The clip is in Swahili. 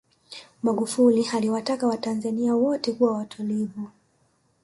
magufuli aliwataka watanzania wote kuwa watulivu